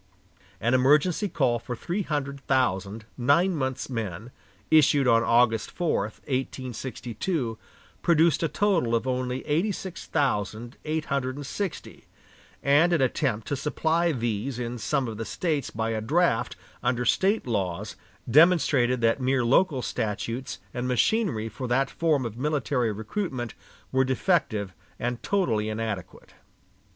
An emergency call for three hundred thousand nine months' men, issued on August 4, 1862, produced a total of only eighty six thousand eight hundred and sixty; and an attempt to supply these in some of the States by a draft under State laws demonstrated that mere local statutes and machinery for that form of military recruitment were defective and totally inadequate.